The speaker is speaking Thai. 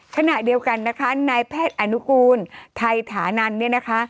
ขณะเดียวกันนะคะนายแพทย์อนุกูลไทยถานันเนี่ยนะคะ